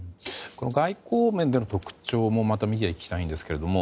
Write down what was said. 外交面での特徴も見ていきたいんですけれども